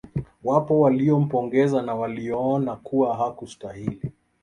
Wapo walio mpongeza na walioona kuwa hakustahili